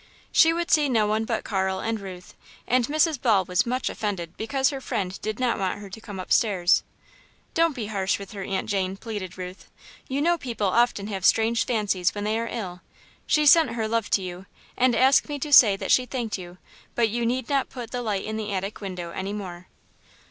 She would see no one but Carl and Ruth, and Mrs. Ball was much offended because her friend did not want her to come upstairs. "Don't be harsh with her, Aunt Jane," pleaded Ruth, "you know people often have strange fancies when they are ill. She sent her love to you, and asked me to say that she thanked you, but you need not put the light in the attic window any more."